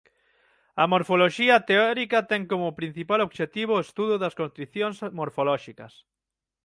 A morfoloxía teórica ten como principal obxectivo o estudo das constricións morfolóxicas.